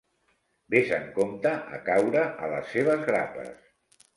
Ves amb compte a caure a les seves grapes.